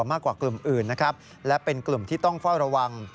มากกว่ากลุ่มอื่นนะครับและเป็นกลุ่มที่ต้องเฝ้าระวัง